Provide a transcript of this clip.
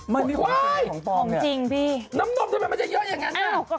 มันมีความเจ็บของฟองเนี่ยน้ำนมทำไมมันจะเยอะอย่างนั้นนะ